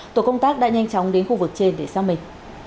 tổ công tác đã nhanh chóng đến khu vực trên để xác minh